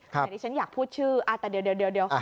เดี๋ยวนี้ฉันอยากพูดชื่อแต่เดี๋ยว